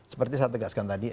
seperti saya tegaskan tadi